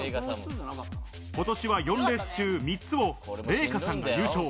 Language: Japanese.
今年は４レース中３つをレイカさんが優勝。